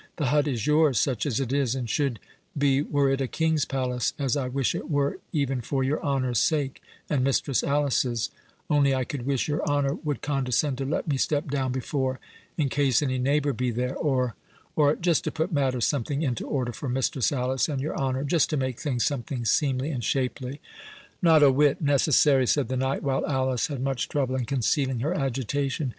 "The hut is yours, such as it is, and should be were it a King's palace, as I wish it were even for your honour's sake, and Mistress Alice's—only I could wish your honour would condescend to let me step down before, in case any neighbour be there—or—or—just to put matters something into order for Mistress Alice and your honour—just to make things something seemly and shapely." "Not a whit necessary," said the knight, while Alice had much trouble in concealing her agitation.